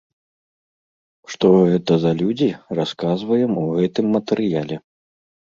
Што гэта за людзі, расказваем у гэтым матэрыяле.